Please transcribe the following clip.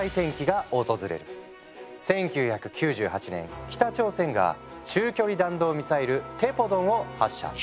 １９９８年北朝鮮が中距離弾道ミサイル「テポドン」を発射。